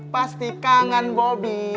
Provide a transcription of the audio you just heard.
pasti kangen bobby